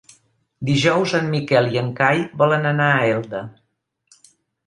Dijous en Miquel i en Cai volen anar a Elda.